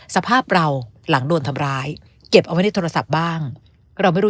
สภาพเราหลังโดนทำร้ายเก็บเอาไว้ในโทรศัพท์บ้างเราไม่รู้